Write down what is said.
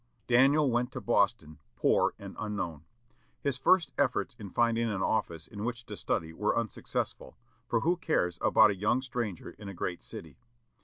Daniel went to Boston, poor and unknown. His first efforts in finding an office in which to study were unsuccessful, for who cares about a young stranger in a great city?